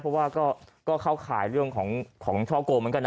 เพราะว่าก็เข้าข่ายเรื่องของช่อโกงเหมือนกันนะ